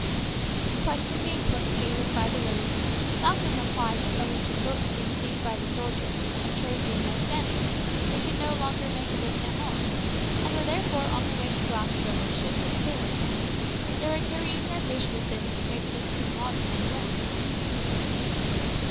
The question being put in Gaelic by the woman, Malcolm replied that owing to the boats being seized by the soldiers, and trade being at a standstill, they could no longer make a living at home, and were therefore on their way to Glasgow to ship as sailors. They were carrying their fish with them to pay for their food and lodging on the way.